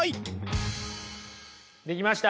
できました？